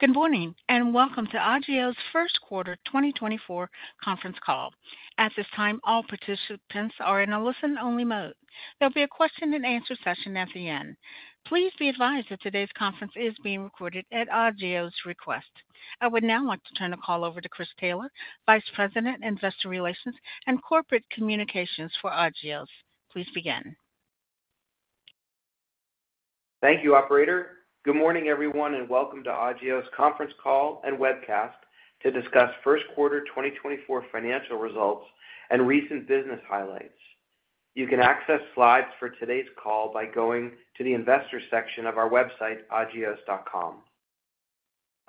Good morning and welcome to Agios' Q1 2024 conference call. At this time, all participants are in a listen-only mode. There'll be a question-and-answer session at the end. Please be advised that today's conference is being recorded at Agios' request. I would now like to turn the call over to Chris Taylor, Vice President, Investor Relations and Corporate Communications for Agios. Please begin. Thank you, Operator. Good morning, everyone, and welcome to Agios' conference call and webcast to discuss Q1 2024 financial results and recent business highlights. You can access slides for today's call by going to the investor section of our website, agios.com.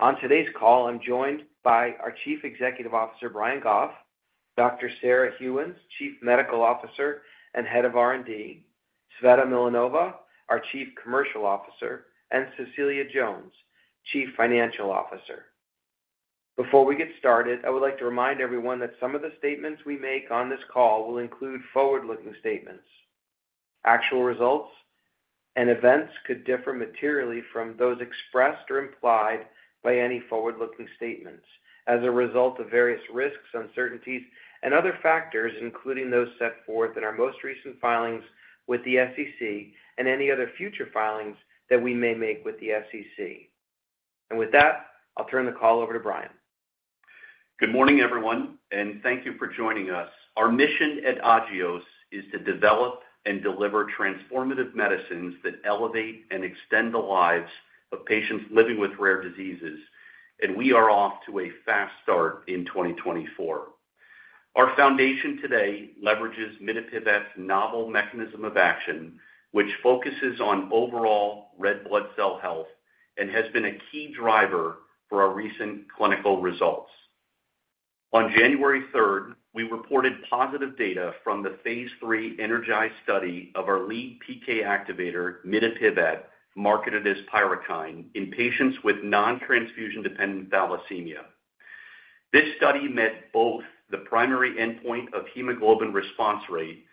On today's call, I'm joined by our Chief Executive Officer, Brian Goff; Dr. Sarah Gheuens, Chief Medical Officer and Head of R&D; Tsveta Milanova, our Chief Commercial Officer; and Cecilia Jones, Chief Financial Officer. Before we get started, I would like to remind everyone that some of the statements we make on this call will include forward-looking statements. Actual results and events could differ materially from those expressed or implied by any forward-looking statements as a result of various risks, uncertainties, and other factors, including those set forth in our most recent filings with the SEC and any other future filings that we may make with the SEC. With that, I'll turn the call over to Brian. Good morning, everyone, and thank you for joining us. Our mission at Agios is to develop and deliver transformative medicines that elevate and extend the lives of patients living with rare diseases, and we are off to a fast start in 2024. Our foundation today leverages mitapivat's novel mechanism of action, which focuses on overall red blood cell health and has been a key driver for our recent clinical results. On 3 January 2024, we reported positive data from the Phase 3 ENERGIZE study of our lead PK activator, mitapivat, marketed as PYRUKYND, in patients with non-transfusion-dependent thalassemia. This study met both the primary endpoint of hemoglobin response rate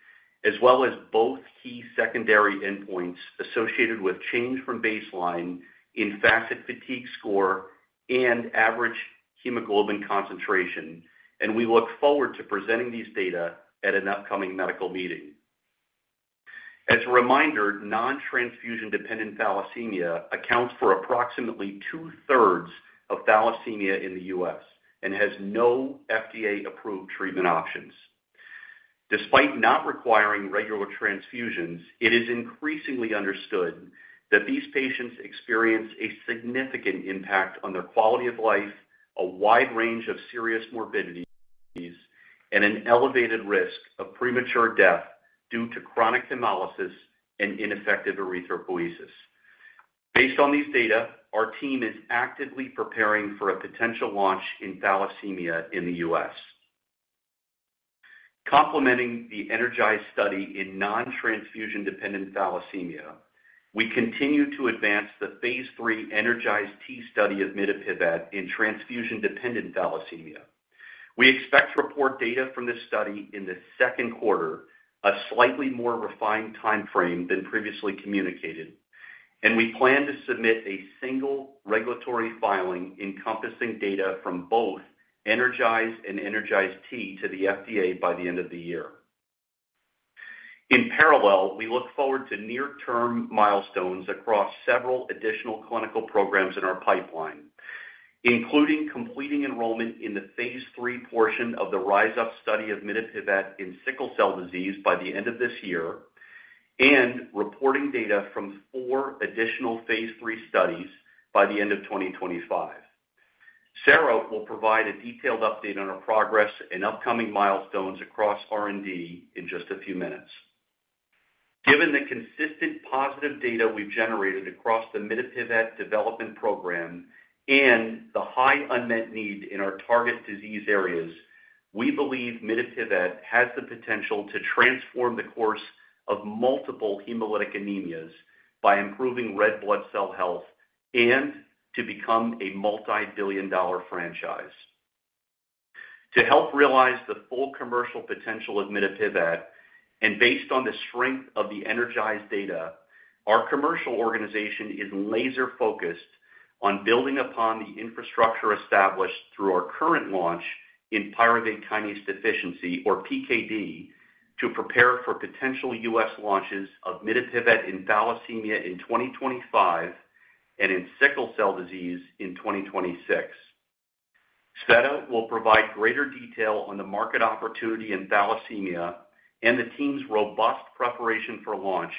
as well as both key secondary endpoints associated with change from baseline in FACIT-Fatigue score and average hemoglobin concentration, and we look forward to presenting these data at an upcoming medical meeting. As a reminder, non-transfusion-dependent thalassemia accounts for approximately 2/3 of thalassemia in the U.S. and has no FDA-approved treatment options. Despite not requiring regular transfusions, it is increasingly understood that these patients experience a significant impact on their quality of life, a wide range of serious morbidities, and an elevated risk of premature death due to chronic hemolysis and ineffective erythropoiesis. Based on these data, our team is actively preparing for a potential launch in thalassemia in the U.S. Complementing the ENERGIZE study in non-transfusion-dependent thalassemia, we continue to advance the Phase 3 ENERGIZE‑T study of mitapivat in transfusion-dependent thalassemia. We expect to report data from this study in the Q2, a slightly more refined timeframe than previously communicated, and we plan to submit a single regulatory filing encompassing data from both ENERGIZE and ENERGIZE‑T to the FDA by the end of the year. In parallel, we look forward to near-term milestones across several additional clinical programs in our pipeline, including completing enrollment in the Phase 3 portion of the RISE UP study of mitapivat in sickle cell disease by the end of this year and reporting data from four additional Phase 3 studies by the end of 2025. Sarah will provide a detailed update on our progress and upcoming milestones across R&D in just a few minutes. Given the consistent positive data we've generated across the mitapivat development program and the high unmet need in our target disease areas, we believe mitapivat has the potential to transform the course of multiple hemolytic anemias by improving red blood cell health and to become a multi-billion-dollar franchise. To help realize the full commercial potential of mitapivat, and based on the strength of the ENERGIZE data, our commercial organization is laser-focused on building upon the infrastructure established through our current launch in pyruvate kinase deficiency, or PKD, to prepare for potential U.S. launches of mitapivat in thalassemia in 2025 and in sickle cell disease in 2026. Tsveta will provide greater detail on the market opportunity in thalassemia and the team's robust preparation for launch,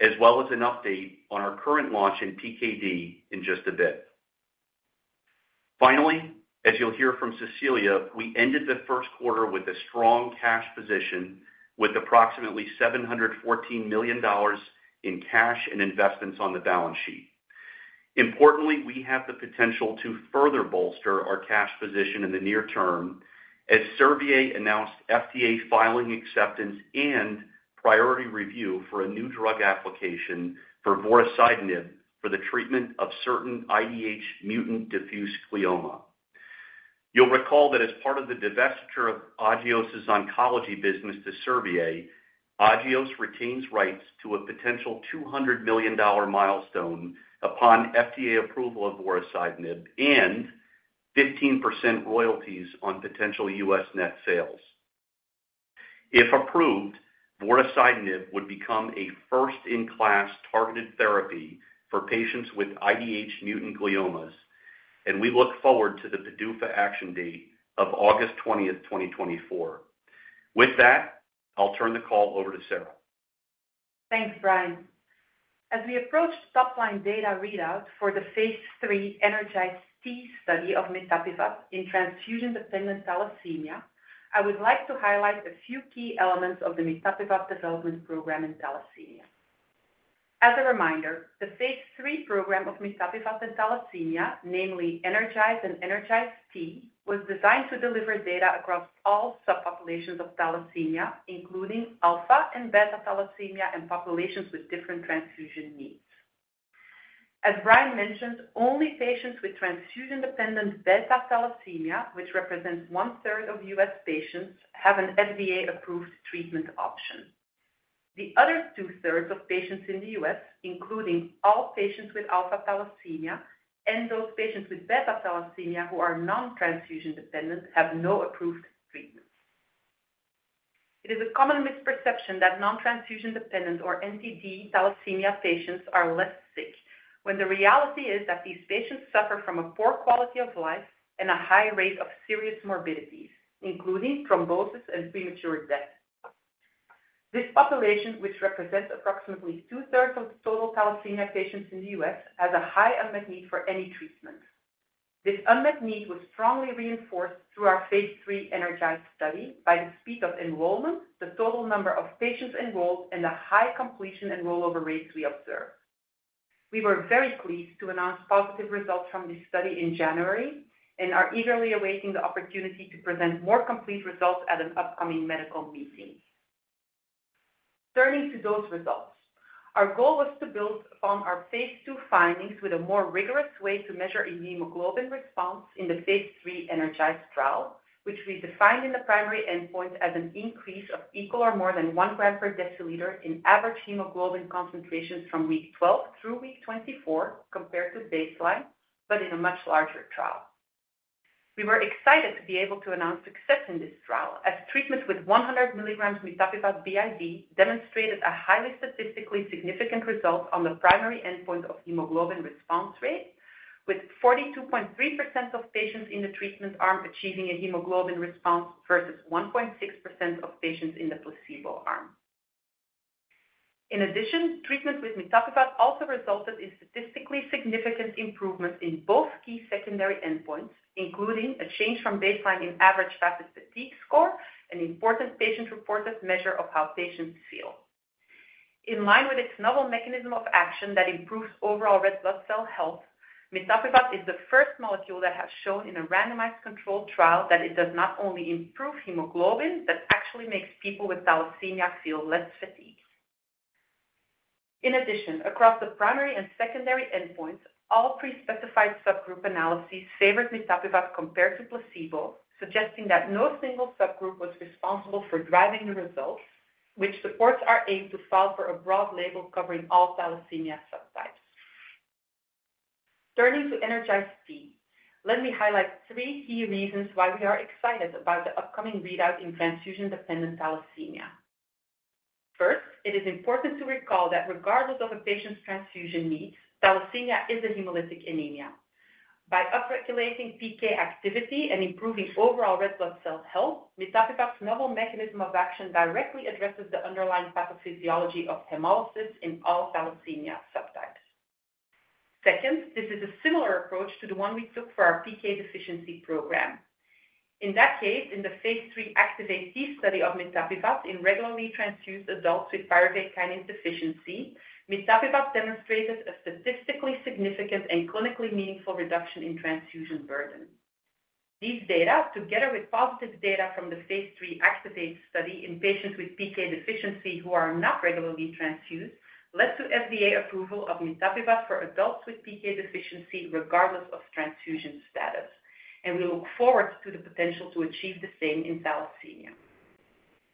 as well as an update on our current launch in PKD in just a bit. Finally, as you'll hear from Cecilia, we ended the Q1 with a strong cash position with approximately $714 million in cash and investments on the balance sheet. Importantly, we have the potential to further bolster our cash position in the near term as Servier announced FDA filing acceptance and priority review for a new drug application for vorasidenib for the treatment of certain IDH-mutant diffuse glioma. You'll recall that as part of the divestiture of Agios' oncology business to Servier, Agios retains rights to a potential $200 million milestone upon FDA approval of vorasidenib and 15% royalties on potential U.S. net sales. If approved, vorasidenib would become a first-in-class targeted therapy for patients with IDH-mutant gliomas, and we look forward to the PDUFA action date of 20 August 2024. With that, I'll turn the call over to Sarah. Thanks, Brian. As we approach top-line data readout for the Phase 3 ENERGIZE-T study of mitapivat in transfusion-dependent thalassemia, I would like to highlight a few key elements of the mitapivat development program in thalassemia. As a reminder, the Phase 3 program of mitapivat in thalassemia, namely ENERGIZE and ENERGIZE-T, was designed to deliver data across all subpopulations of thalassemia, including alpha and beta thalassemia and populations with different transfusion needs. As Brian mentioned, only patients with transfusion-dependent beta thalassemia, which represents 1/3 of U.S. patients, have an FDA-approved treatment option. The other 2/3 of patients in the U.S., including all patients with alpha thalassemia and those patients with beta thalassemia who are non-transfusion-dependent, have no approved treatment. It is a common misperception that non-transfusion-dependent or NTD thalassemia patients are less sick, when the reality is that these patients suffer from a poor quality of life and a high rate of serious morbidities, including thrombosis and premature death. This population, which represents approximately 2/3 of the total thalassemia patients in the U.S., has a high unmet need for any treatment. This unmet need was strongly reinforced through our Phase 3 ENERGIZE study by the speed of enrollment, the total number of patients enrolled, and the high completion and rollover rates we observed. We were very pleased to announce positive results from this study in January and are eagerly awaiting the opportunity to present more complete results at an upcoming medical meeting. Turning to those results, our goal was to build upon our Phase 2 findings with a more rigorous way to measure a hemoglobin response in the Phase 3 ENERGIZE trial, which we defined in the primary endpoint as an increase of equal or more than one gram per deciliter in average hemoglobin concentrations from week 12 through week 24 compared to baseline, but in a much larger trial. We were excited to be able to announce success in this trial as treatment with 100 mg mitapivat BID demonstrated a highly statistically significant result on the primary endpoint of hemoglobin response rate, with 42.3% of patients in the treatment arm achieving a hemoglobin response versus 1.6% of patients in the placebo arm. In addition, treatment with mitapivat also resulted in statistically significant improvements in both key secondary endpoints, including a change from baseline in average FACIT-Fatigue score, an important patient-reported measure of how patients feel. In line with its novel mechanism of action that improves overall red blood cell health, mitapivat is the first molecule that has shown in a randomized controlled trial that it does not only improve hemoglobin but actually makes people with thalassemia feel less fatigued. In addition, across the primary and secondary endpoints, all prespecified subgroup analyses favored mitapivat compared to placebo, suggesting that no single subgroup was responsible for driving the results, which supports our aim to file for a broad label covering all thalassemia subtypes. Turning to ENERGIZE-T, let me highlight three key reasons why we are excited about the upcoming readout in transfusion-dependent thalassemia. First, it is important to recall that regardless of a patient's transfusion needs, thalassemia is a hemolytic anemia. By upregulating PK activity and improving overall red blood cell health, mitapivat's novel mechanism of action directly addresses the underlying pathophysiology of hemolysis in all thalassemia subtypes. Second, this is a similar approach to the one we took for our PK deficiency program. In that case, in the Phase 3 ACTIVATE-T study of mitapivat in regularly transfused adults with pyruvate kinase deficiency, mitapivat demonstrated a statistically significant and clinically meaningful reduction in transfusion burden. These data, together with positive data from the Phase 3 ACTIVATE study in patients with PK deficiency who are not regularly transfused, led to FDA approval of mitapivat for adults with PK deficiency regardless of transfusion status, and we look forward to the potential to achieve the same in thalassemia.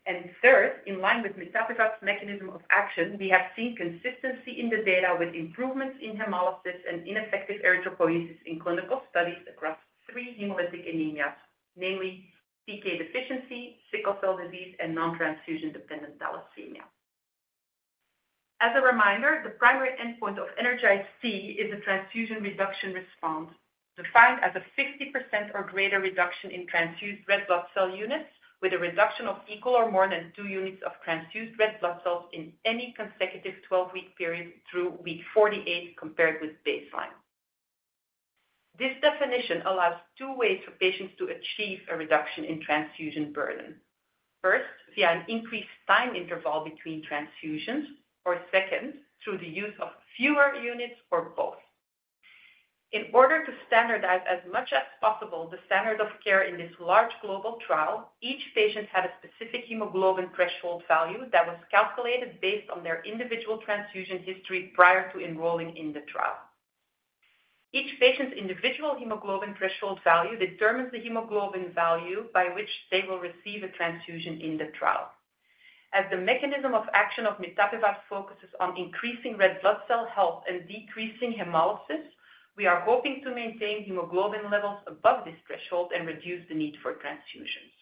And third, in line with mitapivat's mechanism of action, we have seen consistency in the data with improvements in hemolysis and ineffective erythropoiesis in clinical studies across three hemolytic anemias, namely PK deficiency, sickle cell disease, and non-transfusion-dependent thalassemia. As a reminder, the primary endpoint of ENERGIZE‑T is a transfusion reduction response defined as a 50% or greater reduction in transfused red blood cell units with a reduction of equal or more than two units of transfused red blood cells in any consecutive 12-week period through week 48 compared with baseline. This definition allows two ways for patients to achieve a reduction in transfusion burden. First, via an increased time interval between transfusions, or second, through the use of fewer units or both. In order to standardize as much as possible the standards of care in this large global trial, each patient had a specific hemoglobin threshold value that was calculated based on their individual transfusion history prior to enrolling in the trial. Each patient's individual hemoglobin threshold value determines the hemoglobin value by which they will receive a transfusion in the trial. As the mechanism of action of mitapivat focuses on increasing red blood cell health and decreasing hemolysis, we are hoping to maintain hemoglobin levels above this threshold and reduce the need for transfusions.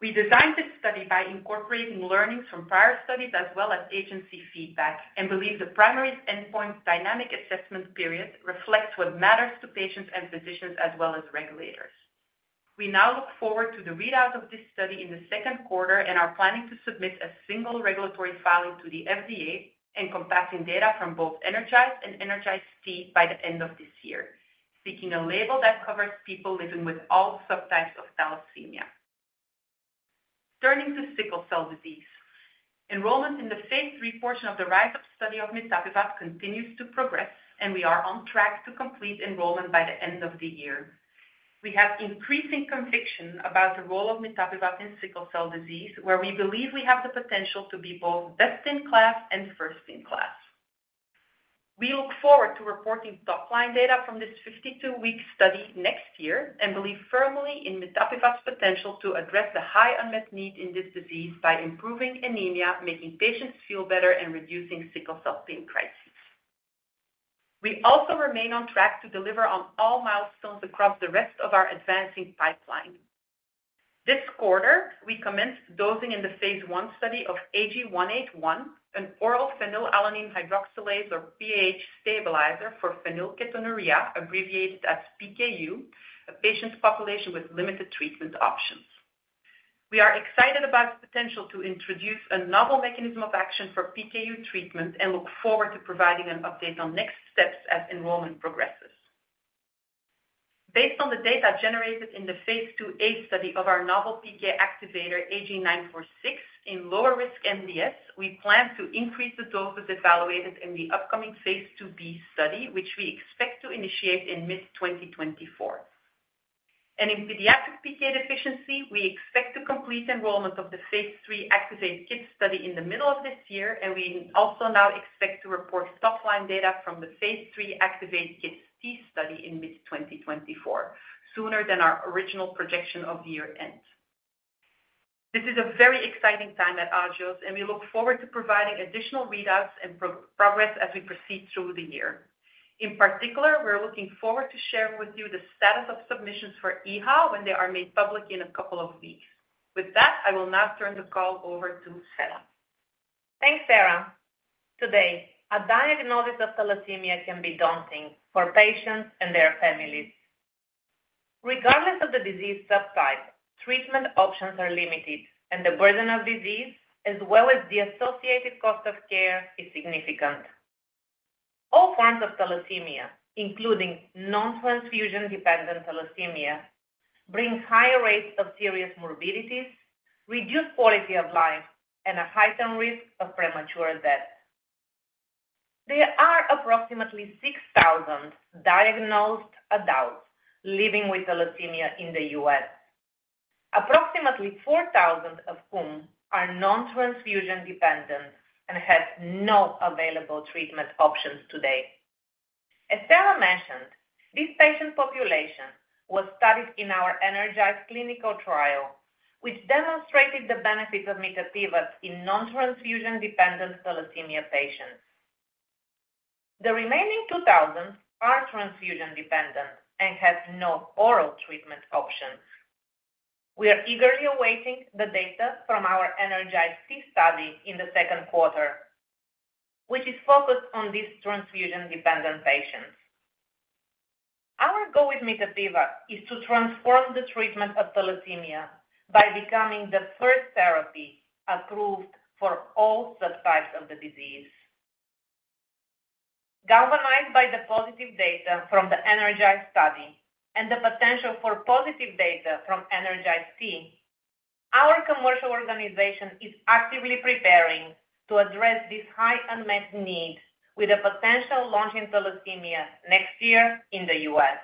We designed this study by incorporating learnings from prior studies as well as agency feedback and believe the primary endpoint dynamic assessment period reflects what matters to patients and physicians as well as regulators. We now look forward to the readout of this study in the Q2 and are planning to submit a single regulatory filing to the FDA and combining data from both ENERGIZE and ENERGIZE-T by the end of this year, seeking a label that covers people living with all subtypes of thalassemia. Turning to sickle cell disease, enrollment in the Phase 3 portion of the RISE UP study of mitapivat continues to progress, and we are on track to complete enrollment by the end of the year. We have increasing conviction about the role of mitapivat in sickle cell disease, where we believe we have the potential to be both best-in-class and first-in-class. We look forward to reporting top-line data from this 52-week study next year and believe firmly in mitapivat's potential to address the high unmet need in this disease by improving anemia, making patients feel better, and reducing sickle cell pain crises. We also remain on track to deliver on all milestones across the rest of our advancing pipeline. This quarter, we commenced dosing in the Phase 1 study of AG-181, an oral phenylalanine hydroxylase, or PAH stabilizer for phenylketonuria, abbreviated as PKU, a patient population with limited treatment options. We are excited about the potential to introduce a novel mechanism of action for PKU treatment and look forward to providing an update on next steps as enrollment progresses. Based on the data generated in the Phase 2a study of our novel PK activator AG-946 in lower-risk MDS, we plan to increase the doses evaluated in the upcoming Phase 2b study, which we expect to initiate in mid-2024. In pediatric PK deficiency, we expect to complete enrollment of the Phase 3 ACTIVATE-Kids study in the middle of this year, and we also now expect to report top-line data from the Phase 3 ACTIVATE-Kids study in mid-2024, sooner than our original projection of year-end. This is a very exciting time at Agios, and we look forward to providing additional readouts and progress as we proceed through the year. In particular, we're looking forward to sharing with you the status of submissions for EHA when they are made public in a couple of weeks. With that, I will now turn the call over to Tsveta. Thanks, Sarah. Today, a diagnosis of thalassemia can be daunting for patients and their families. Regardless of the disease subtype, treatment options are limited, and the burden of disease, as well as the associated cost of care, is significant. All forms of thalassemia, including non-transfusion-dependent thalassemia, bring higher rates of serious morbidities, reduced quality of life, and a heightened risk of premature death. There are approximately 6,000 diagnosed adults living with thalassemia in the U.S., approximately 4,000 of whom are non-transfusion-dependent and have no available treatment options today. As Sarah mentioned, this patient population was studied in our ENERGIZE clinical trial, which demonstrated the benefits of mitapivat in non-transfusion-dependent thalassemia patients. The remaining 2,000 are transfusion-dependent and have no oral treatment options. We are eagerly awaiting the data from our ENERGIZE‑T study in the Q2, which is focused on these transfusion-dependent patients. Our goal with mitapivat is to transform the treatment of thalassemia by becoming the first therapy approved for all subtypes of the disease. Galvanized by the positive data from the ENERGIZE study and the potential for positive data from ENERGIZE-T, our commercial organization is actively preparing to address this high unmet need with a potential launch in thalassemia next year in the U.S.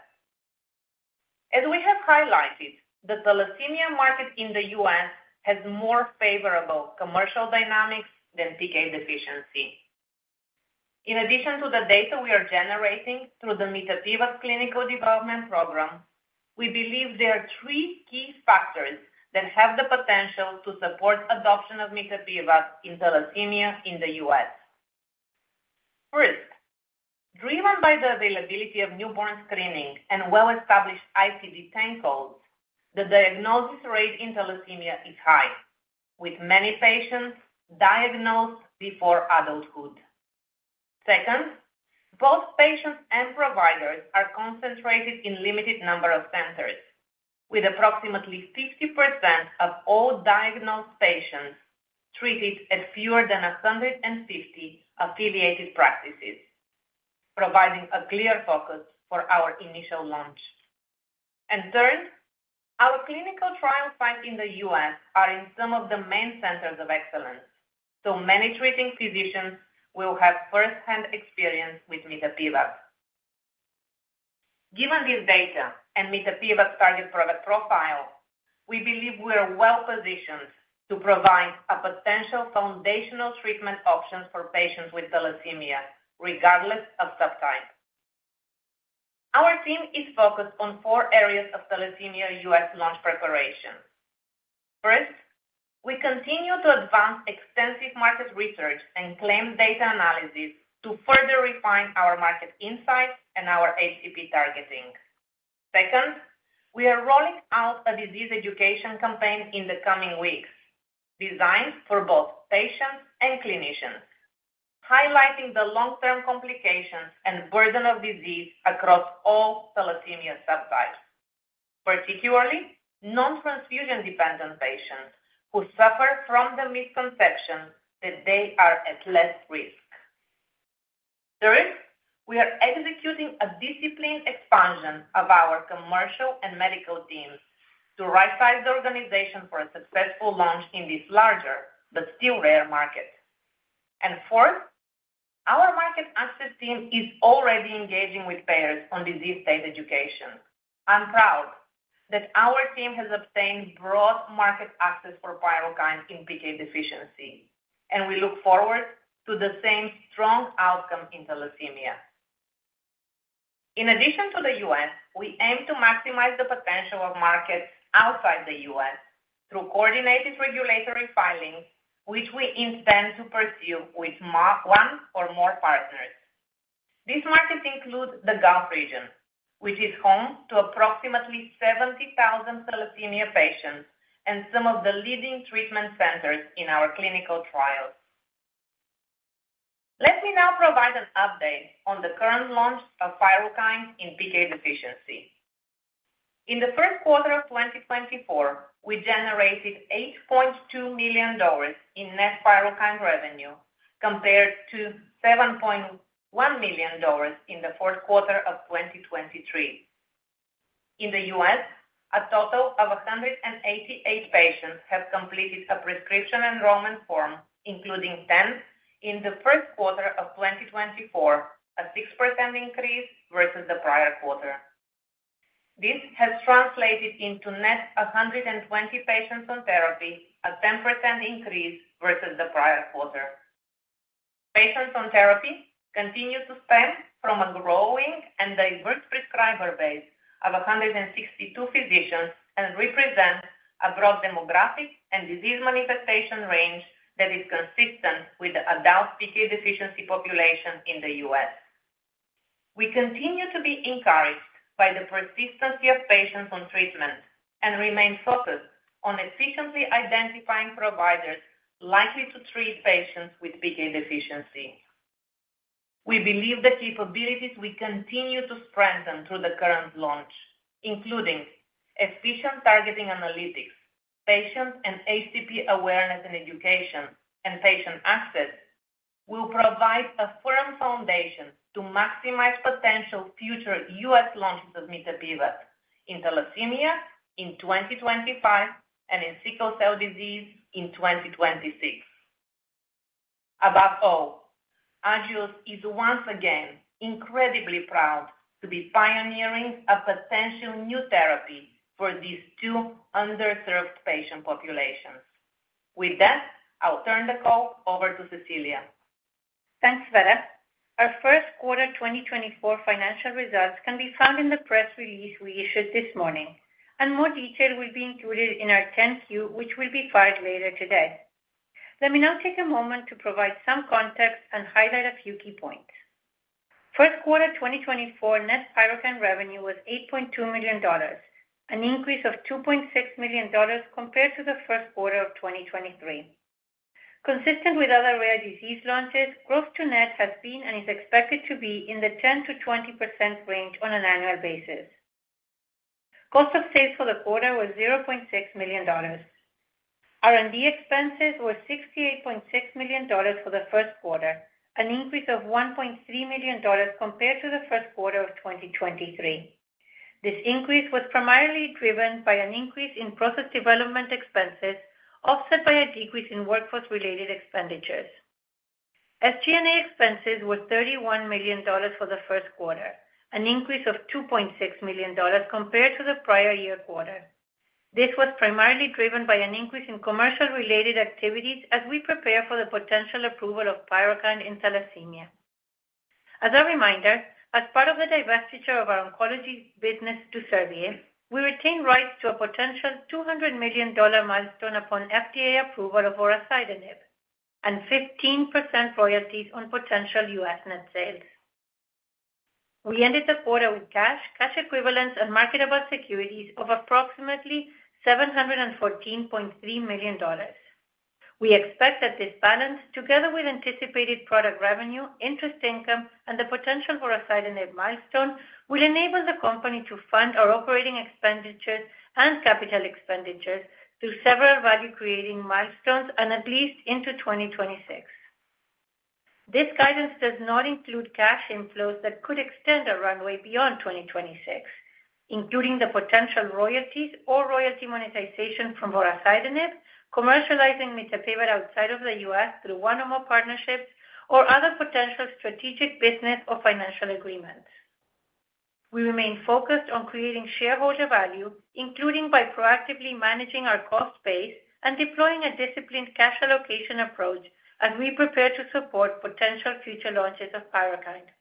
As we have highlighted, the thalassemia market in the U.S. has more favorable commercial dynamics than PK deficiency. In addition to the data we are generating through the mitapivat clinical development program, we believe there are three key factors that have the potential to support adoption of mitapivat in thalassemia in the U.S. First, driven by the availability of newborn screening and well-established ICD-10 codes, the diagnosis rate in thalassemia is high, with many patients diagnosed before adulthood. Second, both patients and providers are concentrated in a limited number of centers, with approximately 50% of all diagnosed patients treated at fewer than 150 affiliated practices, providing a clear focus for our initial launch. And third, our clinical trial sites in the U.S. are in some of the main centers of excellence, so many treating physicians will have firsthand experience with mitapivat. Given this data and mitapivat's target product profile, we believe we are well-positioned to provide a potential foundational treatment option for patients with thalassemia, regardless of subtype. Our team is focused on four areas of thalassemia U.S. launch preparation. First, we continue to advance extensive market research and claim data analysis to further refine our market insights and our HCP targeting. Second, we are rolling out a disease education campaign in the coming weeks designed for both patients and clinicians, highlighting the long-term complications and burden of disease across all thalassemia subtypes, particularly non-transfusion-dependent patients who suffer from the misconception that they are at less risk. Third, we are executing a disciplined expansion of our commercial and medical teams to right-size the organization for a successful launch in this larger but still rare market. Fourth, our market access team is already engaging with payers on disease state education. I'm proud that our team has obtained broad market access for PYRUKYND in PK deficiency, and we look forward to the same strong outcome in thalassemia. In addition to the U.S., we aim to maximize the potential of markets outside the U.S. through coordinated regulatory filings, which we intend to pursue with one or more partners. These markets include the Gulf region, which is home to approximately 70,000 thalassemia patients and some of the leading treatment centers in our clinical trials. Let me now provide an update on the current launch of PYRUKYND in PK deficiency. In the Q1 of 2024, we generated $8.2 million in net PYRUKYND revenue compared to $7.1 million in the Q4 of 2023. In the U.S., a total of 188 patients have completed a prescription enrollment form, including 10 in the Q1 of 2024, a 6% increase versus the prior quarter. This has translated into net 120 patients on therapy, a 10% increase versus the prior quarter. Patients on therapy continue to span from a growing and diverse prescriber base of 162 physicians and represent a broad demographic and disease manifestation range that is consistent with the adult PK deficiency population in the U.S. We continue to be encouraged by the persistency of patients on treatment and remain focused on efficiently identifying providers likely to treat patients with PK deficiency. We believe the capabilities we continue to strengthen through the current launch, including efficient targeting analytics, patient and HCP awareness and education, and patient access, will provide a firm foundation to maximize potential future U.S. launches of mitapivat in thalassemia in 2025 and in sickle cell disease in 2026. Above all, Agios is once again incredibly proud to be pioneering a potential new therapy for these two underserved patient populations. With that, I'll turn the call over to Cecilia. Thanks, Tsveta. Our Q1 2024 financial results can be found in the press release we issued this morning, and more detail will be included in our 10-Q, which will be filed later today. Let me now take a moment to provide some context and highlight a few key points. Q1 2024 net PYRUKYND revenue was $8.2 million, an increase of $2.6 million compared to the Q1 of 2023. Consistent with other rare disease launches, gross-to-net has been and is expected to be in the 10%-20% range on an annual basis. Cost of sales for the quarter was $0.6 million. R&D expenses were $68.6 million for the Q1, an increase of $1.3 million compared to the Q1 of 2023. This increase was primarily driven by an increase in process development expenses offset by a decrease in workforce-related expenditures. SG&A expenses were $31 million for the Q1, an increase of $2.6 million compared to the prior year quarter. This was primarily driven by an increase in commercial-related activities as we prepare for the potential approval of PYRUKYND in thalassemia. As a reminder, as part of the divestiture of our oncology business to Servier, we retain rights to a potential $200 million milestone upon FDA approval of vorasidenib and 15% royalties on potential U.S. net sales. We ended the quarter with cash, cash equivalents, and marketable securities of approximately $714.3 million. We expect that this balance, together with anticipated product revenue, interest income, and the potential vorasidenib milestone, will enable the company to fund our operating expenditures and capital expenditures through several value-creating milestones and at least into 2026. This guidance does not include cash inflows that could extend our runway beyond 2026, including the potential royalties or royalty monetization from vorasidenib, commercializing mitapivat outside of the U.S. through one or more partnerships, or other potential strategic business or financial agreements. We remain focused on creating shareholder value, including by proactively managing our cost base and deploying a disciplined cash allocation approach as we prepare to support potential future launches of PYRUKYND.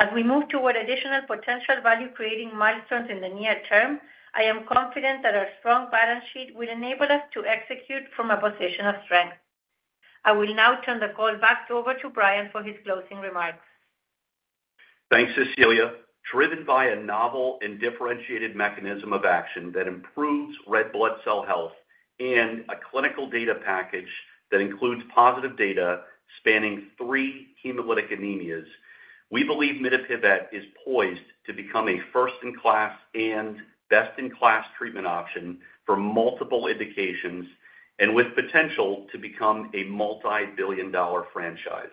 As we move toward additional potential value-creating milestones in the near term, I am confident that our strong balance sheet will enable us to execute from a position of strength. I will now turn the call back over to Brian for his closing remarks. Thanks, Cecilia. Driven by a novel and differentiated mechanism of action that improves red blood cell health and a clinical data package that includes positive data spanning three hemolytic anemias, we believe mitapivat is poised to become a first-in-class and best-in-class treatment option for multiple indications and with potential to become a multi-billion-dollar franchise.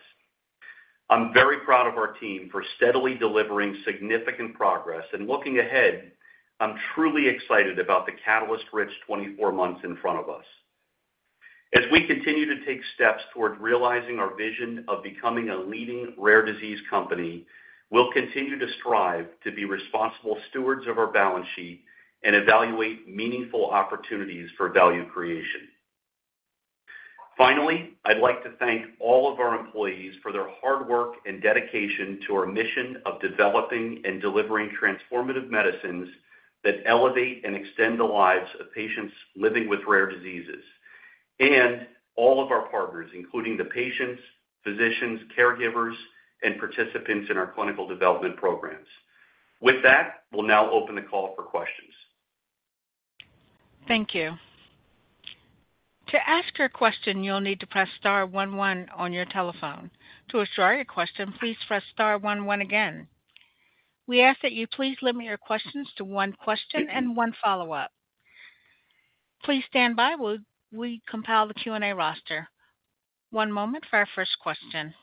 I'm very proud of our team for steadily delivering significant progress, and looking ahead, I'm truly excited about the catalyst-rich 24 months in front of us. As we continue to take steps toward realizing our vision of becoming a leading rare disease company, we'll continue to strive to be responsible stewards of our balance sheet and evaluate meaningful opportunities for value creation. Finally, I'd like to thank all of our employees for their hard work and dedication to our mission of developing and delivering transformative medicines that elevate and extend the lives of patients living with rare diseases, and all of our partners, including the patients, physicians, caregivers, and participants in our clinical development programs. With that, we'll now open the call for questions. Thank you. To ask your question, you'll need to press star one one on your telephone. To assure your question, please press star one one again. We ask that you please limit your questions to one question and one follow-up. Please stand by. We compile the Q&A roster. One moment for our first question.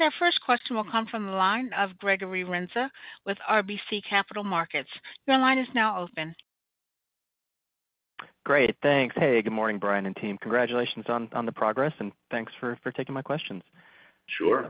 Our first question will come from the line of Gregory Renza with RBC Capital Markets. Your line is now open. Great, thanks. Hey, good morning, Brian and team. Congratulations on the progress, and thanks for taking my questions. Sure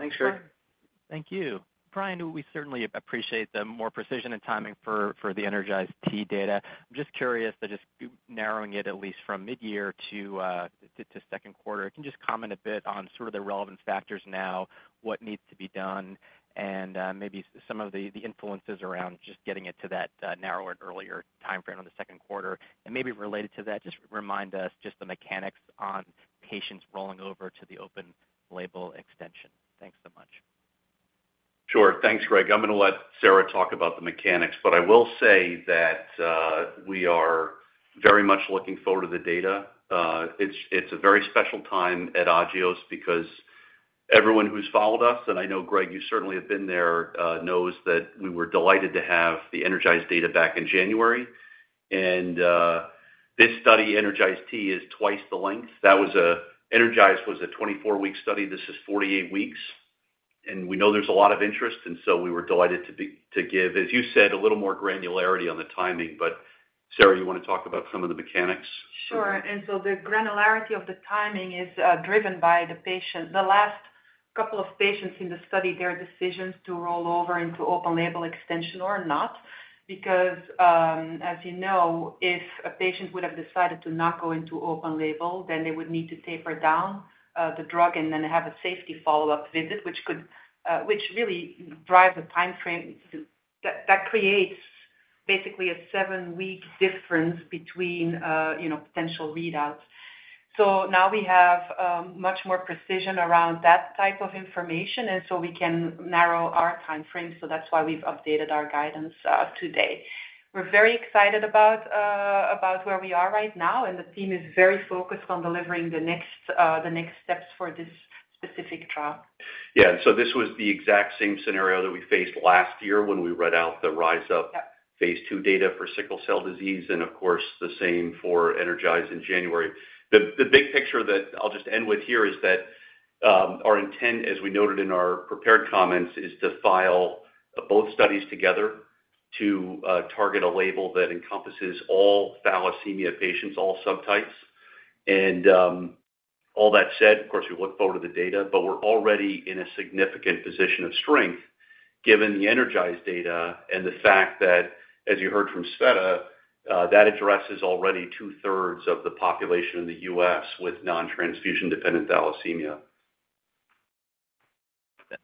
Thank you. Brian, we certainly appreciate the more precision and timing for the ENERGIZE-T data. I'm just curious, just narrowing it at least from midyear to Q2, can you just comment a bit on sort of the relevance factors now, what needs to be done, and maybe some of the influences around just getting it to that narrower and earlier timeframe on the Q2? And maybe related to that, just remind us just the mechanics on patients rolling over to the open-label extension. Thanks so much. Sure, thanks, Greg. I'm going to let Sarah talk about the mechanics, but I will say that we are very much looking forward to the data. It's a very special time at Agios because everyone who's followed us, and I know, Greg, you certainly have been there, knows that we were delighted to have the Energize data back in January. This study, ENERGIZE‑T, is twice the length. ENERGIZE was a 24-week study; this is 48 weeks. We know there's a lot of interest, and so we were delighted to give, as you said, a little more granularity on the timing. But Sarah, you want to talk about some of the mechanics? Sure. And so the granularity of the timing is driven by the last couple of patients in the study, their decisions to roll over into open-label extension or not. Because, as you know, if a patient would have decided to not go into open-label, then they would need to taper down the drug and then have a safety follow-up visit, which really drives the timeframe. That creates basically a seven-week difference between potential readouts. So now we have much more precision around that type of information, and so we can narrow our timeframe. So that's why we've updated our guidance today. We're very excited about where we are right now, and the team is very focused on delivering the next steps for this specific trial. Yeah, and so this was the exact same scenario that we faced last year when we read out the RISE UP Phase 2 data for sickle cell disease, and of course, the same for ENERGIZE in January. The big picture that I'll just end with here is that our intent, as we noted in our prepared comments, is to file both studies together to target a label that encompasses all thalassemia patients, all subtypes. And all that said, of course, we look forward to the data, but we're already in a significant position of strength given the ENERGIZE data and the fact that, as you heard from Tsveta, that addresses already 2/3 of the population in the U.S. with non-transfusion-dependent thalassemia.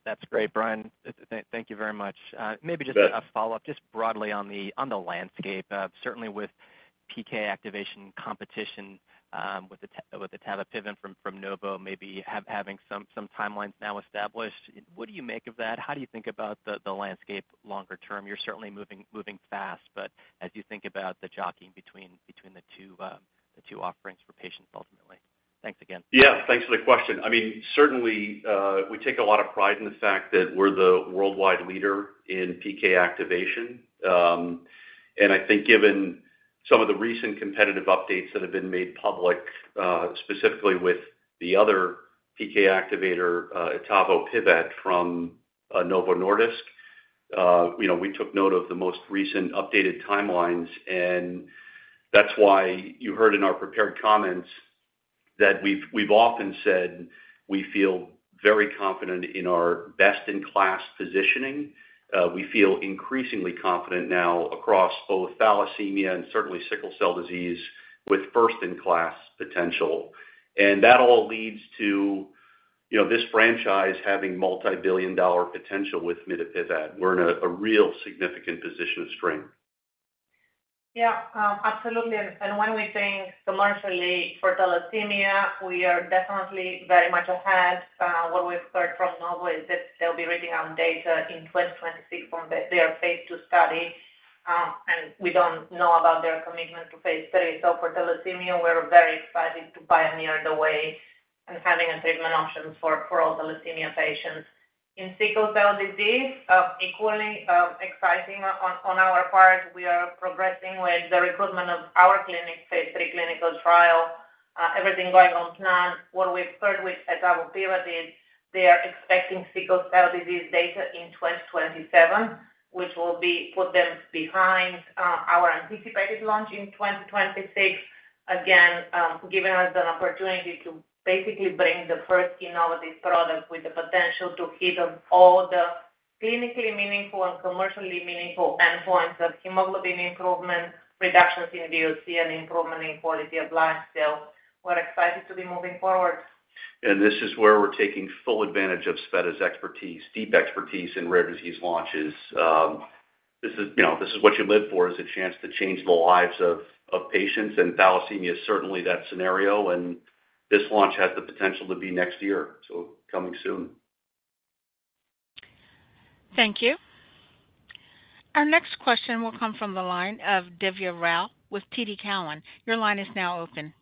That's great, Brian. Thank you very much. Maybe just a follow-up, just broadly on the landscape, certainly with PK activation competition with the etavopivat from Novo, maybe having some timelines now established. What do you make of that? How do you think about the landscape longer term? You're certainly moving fast, but as you think about the jockeying between the two offerings for patients ultimately, thanks again. Yeah, thanks for the question. I mean, certainly, we take a lot of pride in the fact that we're the worldwide leader in PK activation. And I think given some of the recent competitive updates that have been made public, specifically with the other PK activator, etavopivat, from Novo Nordisk, we took note of the most recent updated timelines. And that's why you heard in our prepared comments that we've often said we feel very confident in our best-in-class positioning. We feel increasingly confident now across both thalassemia and certainly sickle cell disease with first-in-class potential. And that all leads to this franchise having multi-billion-dollar potential with mitapivat. We're in a real significant position of strength. Yeah, absolutely. And when we think commercially for thalassemia, we are definitely very much ahead. What we've heard from Novo is that they'll be reading out data in 2026 from their Phase 2 study, and we don't know about their commitment to Phase 3. So for thalassemia, we're very excited to pioneer the way and having treatment options for all thalassemia patients. In sickle cell disease, equally exciting on our part, we are progressing with the recruitment of our clinical Phase 3 clinical trial, everything going on plan. What we've heard with etavopivat is they are expecting sickle cell disease data in 2027, which will put them behind our anticipated launch in 2026, again giving us an opportunity to basically bring the first innovative product with the potential to hit on all the clinically meaningful and commercially meaningful endpoints of hemoglobin improvement, reductions in VOC, and improvement in quality of life. So we're excited to be moving forward. This is where we're taking full advantage of Tsveta's expertise, deep expertise in rare disease launches. This is what you live for, is a chance to change the lives of patients, and thalassemia is certainly that scenario. This launch has the potential to be next year, so coming soon. Thank you. Our next question will come from the line of Divya Rao with TD Cowen. Your line is now open.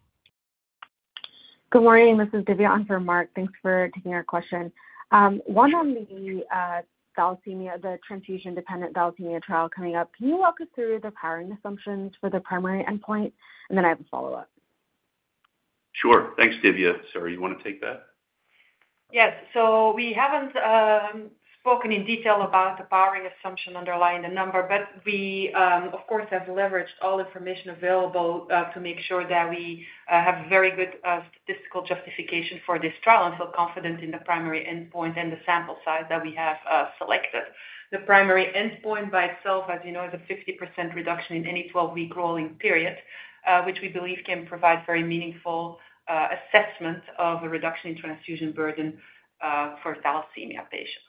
Good morning, this is Divya Rao. Thanks for taking our question. One on the transfusion-dependent thalassemia trial coming up, can you walk us through the powering assumptions for the primary endpoint? And then I have a follow-up. Sure, thanks, Divya. Sarah, you want to take that? Yes. So we haven't spoken in detail about the powering assumption underlying the number, but we, of course, have leveraged all information available to make sure that we have very good statistical justification for this trial and feel confident in the primary endpoint and the sample size that we have selected. The primary endpoint by itself, as you know, is a 50% reduction in any 12-week rolling period, which we believe can provide very meaningful assessment of a reduction in transfusion burden for thalassemia patients.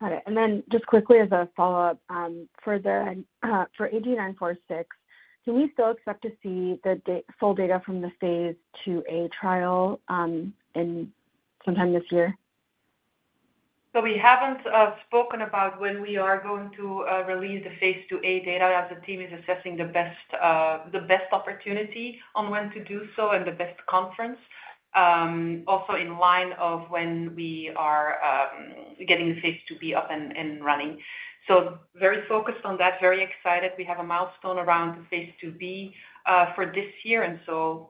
Got it. And then just quickly as a follow-up, for AG-946, can we still expect to see the full data from the Phase 2a trial sometime this year? So we haven't spoken about when we are going to release the Phase 2a data as the team is assessing the best opportunity on when to do so and the best conference, also in line of when we are getting the Phase 2b up and running. So very focused on that, very excited. We have a milestone around the Phase 2b for this year, and so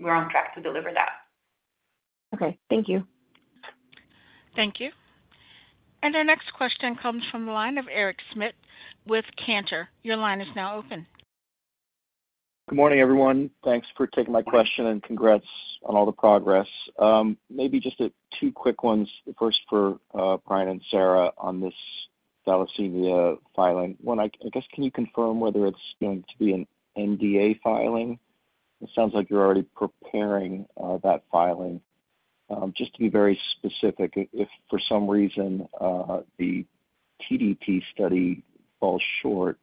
we're on track to deliver that. Okay, thank you. Thank you. Our next question comes from the line of Eric Schmidt with Cantor Fitzgerald. Your line is now open. Good morning, everyone. Thanks for taking my question, and congrats on all the progress. Maybe just two quick ones, first for Brian and Sarah on this thalassemia filing. One, I guess, can you confirm whether it's going to be an NDA filing? It sounds like you're already preparing that filing. Just to be very specific, if for some reason the TDT study falls short,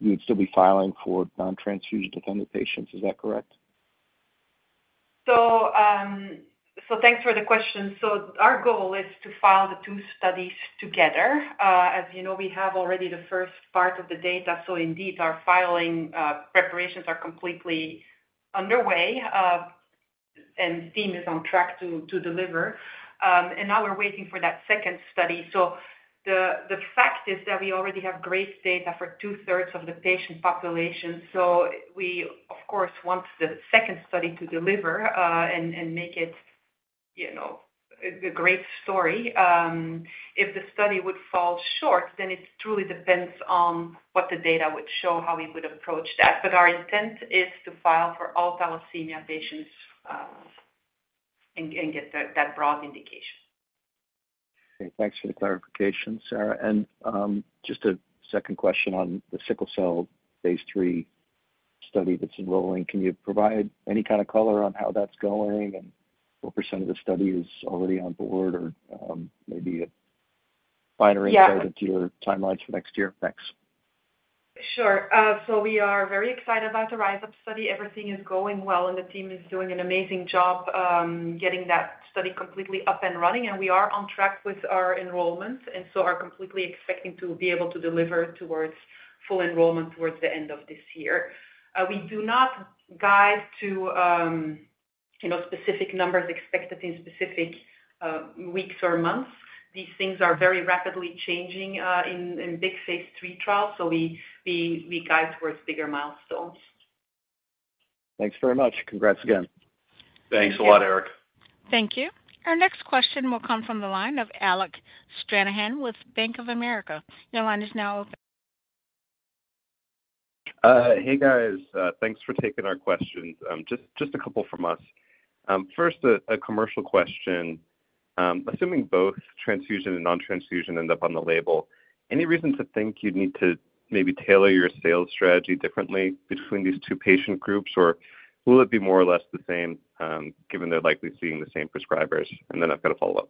you would still be filing for non-transfusion-dependent patients. Is that correct? So thanks for the question. So our goal is to file the two studies together. As you know, we have already the first part of the data, so indeed, our filing preparations are completely underway, and the team is on track to deliver. And now we're waiting for that second study. So the fact is that we already have great data for 2/3 of the patient population. So we, of course, want the second study to deliver and make it a great story. If the study would fall short, then it truly depends on what the data would show, how we would approach that. But our intent is to file for all thalassemia patients and get that broad indication. Okay, thanks for the clarification, Sarah. Just a second question on the sickle cell Phase 3 study that's enrolling. Can you provide any kind of color on how that's going and what percentage of the study is already on board or maybe a finer insight into your timelines for next year? Thanks. Sure. So we are very excited about the RISE UP study. Everything is going well, and the team is doing an amazing job getting that study completely up and running. We are on track with our enrollment, and so are completely expecting to be able to deliver towards full enrollment towards the end of this year. We do not guide to specific numbers expected in specific weeks or months. These things are very rapidly changing in big Phase 3 trials, so we guide towards bigger milestones. Thanks very much. Congrats again. Thanks a lot, Eric. Thank you. Our next question will come from the line of Alec Stranahan with Bank of America. Your line is now open. Hey, guys. Thanks for taking our questions. Just a couple from us. First, a commercial question. Assuming both transfusion and non-transfusion end up on the label, any reason to think you'd need to maybe tailor your sales strategy differently between these two patient groups, or will it be more or less the same given they're likely seeing the same prescribers? And then I've got a follow-up.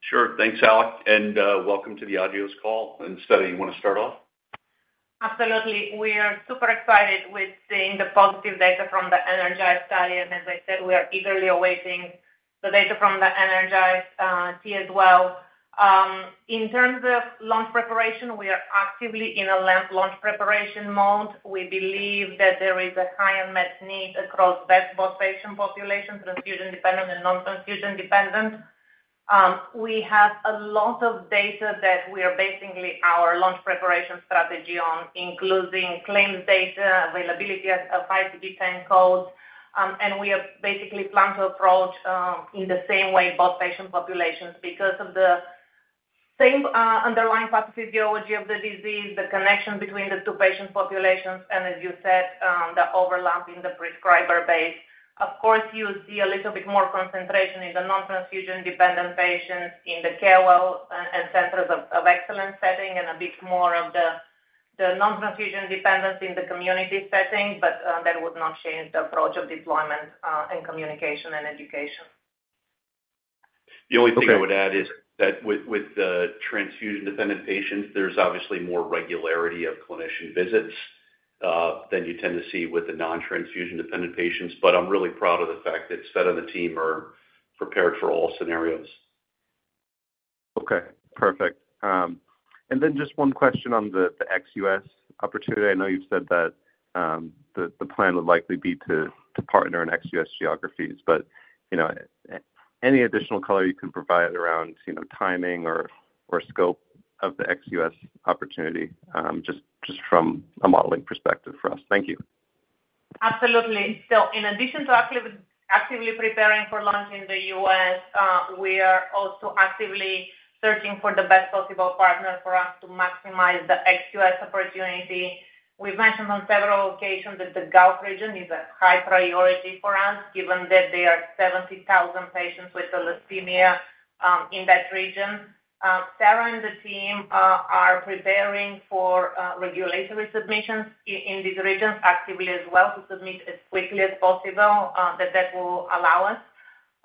Sure. Thanks, Alec, and welcome to the Agios call. Tsveta, you want to start off? Absolutely. We are super excited with seeing the positive data from the ENERGIZE study. As I said, we are eagerly awaiting the data from the ENERGIZE-T as well. In terms of launch preparation, we are actively in a launch preparation mode. We believe that there is a high unmet need across both patient populations, transfusion-dependent and non-transfusion-dependent. We have a lot of data that we are basing our launch preparation strategy on, including claims data, availability of ICD-10 codes. We basically plan to approach in the same way both patient populations because of the same underlying pathophysiology of the disease, the connection between the two patient populations, and as you said, the overlap in the prescriber base. Of course, you see a little bit more concentration in the non-transfusion-dependent patients in the care well and centers of excellence setting and a bit more of the non-transfusion dependence in the community setting, but that would not change the approach of deployment and communication and education. The only thing I would add is that with the transfusion-dependent patients, there's obviously more regularity of clinician visits than you tend to see with the non-transfusion-dependent patients. But I'm really proud of the fact that Tsveta and the team are prepared for all scenarios. Okay, perfect. And then just one question on the XUS opportunity. I know you've said that the plan would likely be to partner in XUS geographies, but any additional color you can provide around timing or scope of the XUS opportunity, just from a modeling perspective for us? Thank you. Absolutely. So in addition to actively preparing for launch in the U.S., we are also actively searching for the best possible partner for us to maximize the XUS opportunity. We've mentioned on several occasions that the Gulf region is a high priority for us given that there are 70,000 patients with thalassemia in that region. Sarah and the team are preparing for regulatory submissions in these regions actively as well to submit as quickly as possible that will allow us.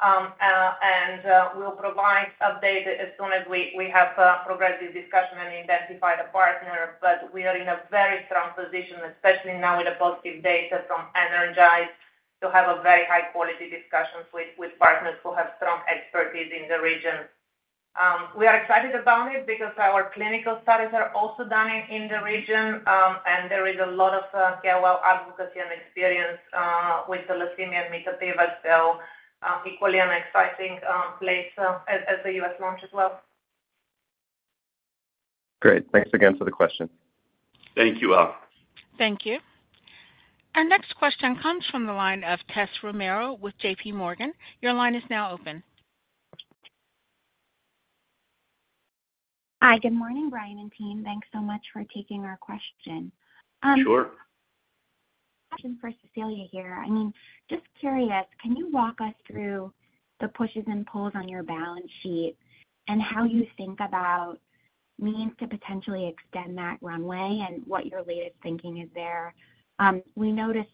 And we'll provide updates as soon as we have progressed this discussion and identified a partner. But we are in a very strong position, especially now with the positive data from ENERGIZE, to have very high-quality discussions with partners who have strong expertise in the region. We are excited about it because our clinical studies are also done in the region, and there is a lot of care, well, advocacy and experience with thalassemia and mitapivat, so equally an exciting place as the U.S. launch as well. Great. Thanks again for the question. Thank you, Alec. Thank you. Our next question comes from the line of Tessa Romero with J.P. Morgan. Your line is now open. Hi, good morning, Brian and team. Thanks so much for taking our question. Sure. Question for Cecilia here. I mean, just curious, can you walk us through the pushes and pulls on your balance sheet and how you think about means to potentially extend that runway and what your latest thinking is there? We noticed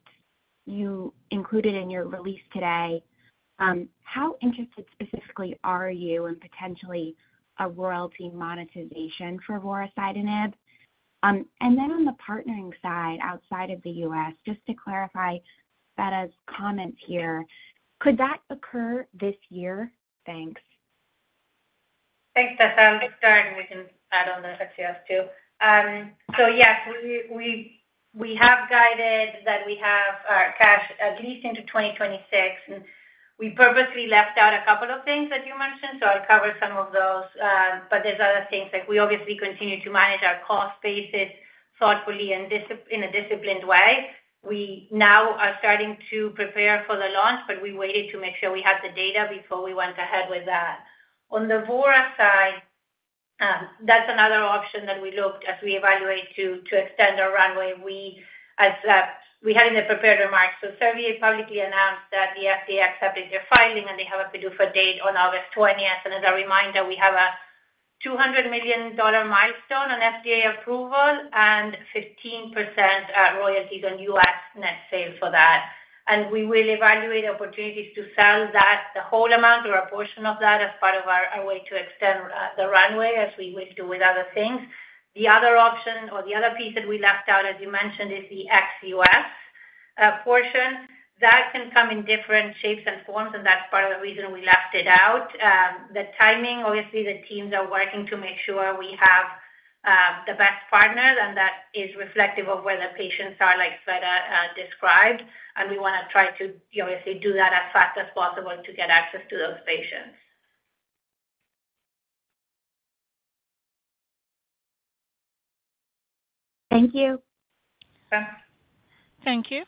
you included in your release today. How interested specifically are you in potentially a royalty monetization for vorasidenib? And then on the partnering side outside of the U.S., just to clarify Tsveta's comments here, could that occur this year? Thanks. Thanks, Tessa. I'm just starting. We can add on the XUS too. So yes, we have guided that we have cash at least into 2026. And we purposely left out a couple of things that you mentioned, so I'll cover some of those. But there's other things. We obviously continue to manage our cost bases thoughtfully in a disciplined way. We now are starting to prepare for the launch, but we waited to make sure we had the data before we went ahead with that. On the vorasidenib side, that's another option that we looked at as we evaluate to extend our runway. We had in the prepared remarks. So Servier publicly announced that the FDA accepted their filing, and they have a pickup date on August 20th. And as a reminder, we have a $200 million milestone on FDA approval and 15% royalties on U.S. net sales for that. We will evaluate opportunities to sell the whole amount or a portion of that as part of our way to extend the runway as we will do with other things. The other option or the other piece that we left out, as you mentioned, is the XUS portion. That can come in different shapes and forms, and that's part of the reason we left it out. The timing, obviously, the teams are working to make sure we have the best partners, and that is reflective of where the patients are, like Tsveta described. We want to try to obviously do that as fast as possible to get access to those patients. Thank you. Okay. Thank you.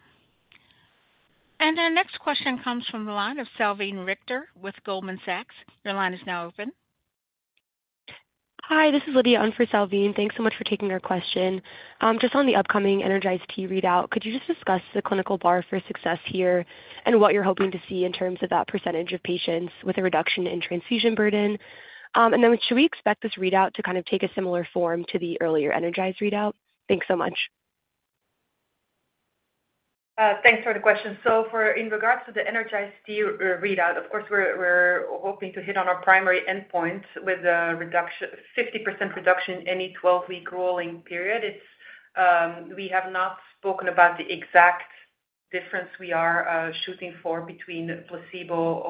And our next question comes from the line of Salveen Richter with Goldman Sachs. Your line is now open. Hi, this is Lydia Erdman for Salveen Richter. Thanks so much for taking our question. Just on the upcoming ENERGIZE-T readout, could you just discuss the clinical bar for success here and what you're hoping to see in terms of that percentage of patients with a reduction in transfusion burden? And then should we expect this readout to kind of take a similar form to the earlier ENERGIZE readout? Thanks so much. Thanks for the question. So in regards to the ENERGIZE-T readout, of course, we're hoping to hit on our primary endpoint with a 50% reduction in any 12-week rolling period. We have not spoken about the exact difference we are shooting for between placebo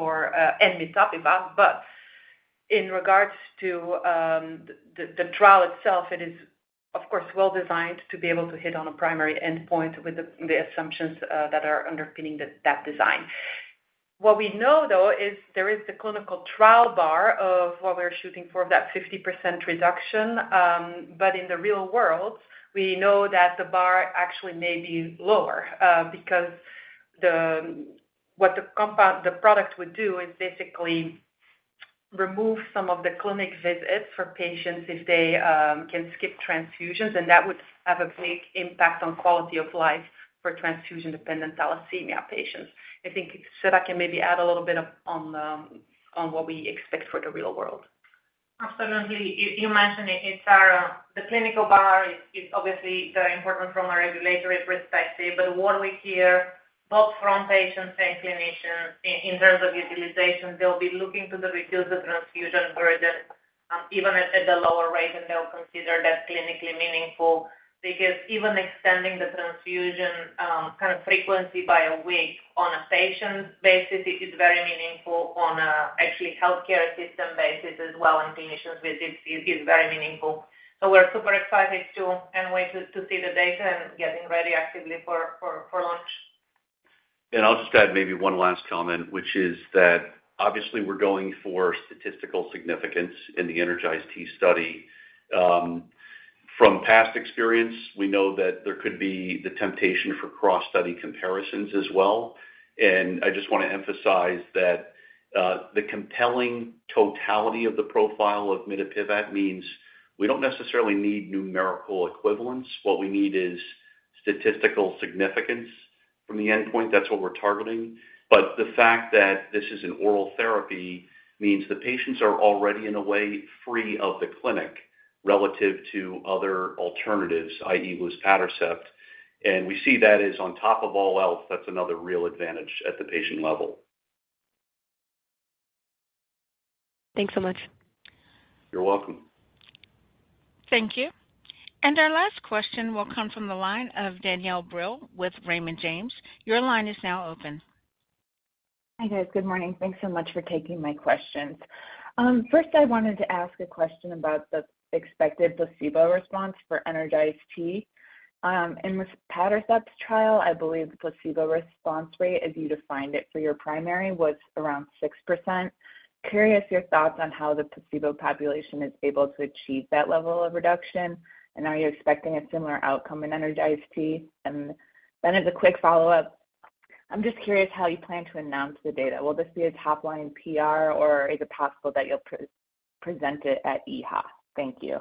and mitapivat. But in regards to the trial itself, it is, of course, well designed to be able to hit on a primary endpoint with the assumptions that are underpinning that design. What we know, though, is there is the clinical trial bar of what we're shooting for of that 50% reduction. But in the real world, we know that the bar actually may be lower because what the product would do is basically remove some of the clinic visits for patients if they can skip transfusions. And that would have a big impact on quality of life for transfusion-dependent thalassemia patients. I think, Tsveta, can maybe add a little bit on what we expect for the real world. Absolutely. You mentioned it, Sarah. The clinical bar is obviously very important from a regulatory perspective. But what we hear both from patients and clinicians in terms of utilization, they'll be looking to reduce the transfusion burden even at the lower rate, and they'll consider that clinically meaningful because even extending the transfusion kind of frequency by a week on a patient basis is very meaningful on a actually healthcare system basis as well, and clinicians with it is very meaningful. So we're super excited too and wait to see the data and getting ready actively for launch. I'll just add maybe one last comment, which is that obviously, we're going for statistical significance in the ENERGIZE-T study. From past experience, we know that there could be the temptation for cross-study comparisons as well. I just want to emphasize that the compelling totality of the profile of mitapivat means we don't necessarily need numerical equivalence. What we need is statistical significance from the endpoint. That's what we're targeting. But the fact that this is an oral therapy means the patients are already, in a way, free of the clinic relative to other alternatives, i.e., luspatercept. We see that as on top of all else. That's another real advantage at the patient level. Thanks so much. You're welcome. Thank you. Our last question will come from the line of Danielle Brill with Raymond James. Your line is now open. Hi, guys. Good morning. Thanks so much for taking my questions. First, I wanted to ask a question about the expected placebo response for ENERGIZE-T. In luspatercept's trial, I believe the placebo response rate, as you defined it for your primary, was around 6%. Curious your thoughts on how the placebo population is able to achieve that level of reduction, and are you expecting a similar outcome in ENERGIZE-T? And then as a quick follow-up, I'm just curious how you plan to announce the data. Will this be a top-line PR, or is it possible that you'll present it at EHA? Thank you.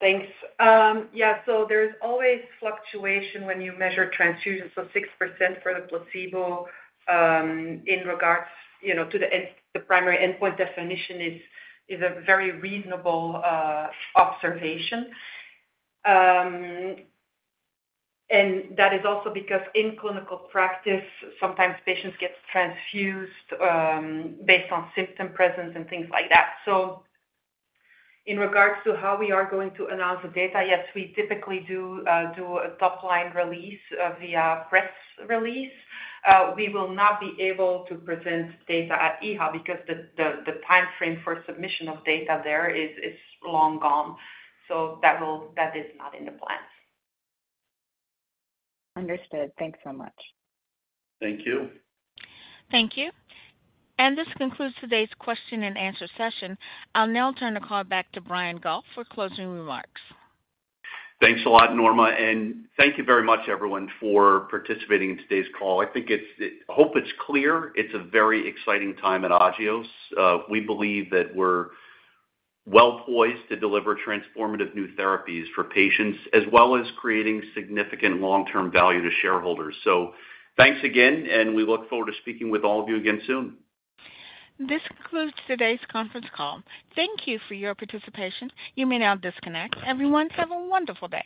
Thanks. Yeah. So there's always fluctuation when you measure transfusions. So 6% for the placebo in regards to the primary endpoint definition is a very reasonable observation. And that is also because in clinical practice, sometimes patients get transfused based on symptom presence and things like that. So in regards to how we are going to announce the data, yes, we typically do a top-line release via press release. We will not be able to present data at EHA because the timeframe for submission of data there is long gone. So that is not in the plans. Understood. Thanks so much. Thank you. Thank you. This concludes today's question and answer session. I'll now turn the call back to Brian Goff for closing remarks. Thanks a lot, Norma. Thank you very much, everyone, for participating in today's call. I hope it's clear. It's a very exciting time at Agios. We believe that we're well-poised to deliver transformative new therapies for patients as well as creating significant long-term value to shareholders. Thanks again, and we look forward to speaking with all of you again soon. This concludes today's conference call. Thank you for your participation. You may now disconnect. Everyone, have a wonderful day.